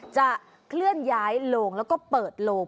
จะเคลื่อนย้ายโลงแล้วก็เปิดโลง